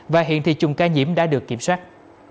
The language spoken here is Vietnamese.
và hiện thì chùm ca nhiễm đã được kiểm soát